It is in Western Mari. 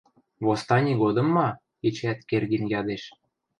— Восстани годым ма? — эчеӓт Кердин ядеш.